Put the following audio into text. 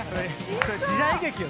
それ時代劇よ。